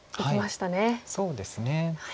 そうですね。